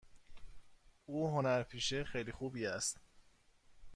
او هنرپیشه خیلی خوبی است.